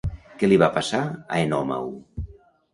Què li va passar a Enòmau?